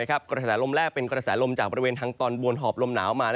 กระแสลมแรกเป็นกระแสลมจากบริเวณทางตอนบนหอบลมหนาวมา